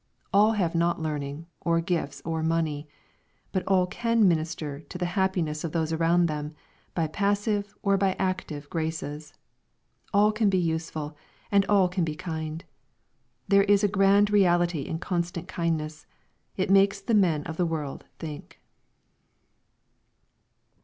All have not learning, or gifts, or money. But all can minister 1 » the happiness of those around them, by passive or by active graces. All can be useful, and all can be kind. There is a grand reality in constant kindness. It makes the men of the world think.